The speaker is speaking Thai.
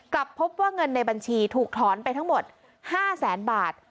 กลับพบว่าเงินในบัญชีถูกถอนไปทั้งหมด๕แสนบาท